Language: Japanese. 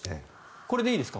これでいいですか？